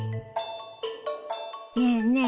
ねえねえ